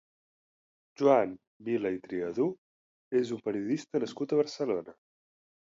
Joan Vila i Triadú és un periodista nascut a Barcelona.